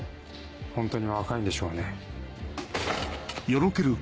本当に若いんでしょうね？